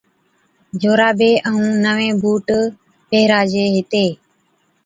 جورابي ائُون نوين بُوٽ پيھِراجي ھِتي